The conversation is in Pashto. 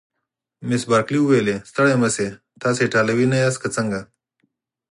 مس بارکلي وویل: ستړي مه شئ، تاسي ایټالوي نه یاست که څنګه؟